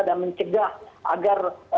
dan mencegah agar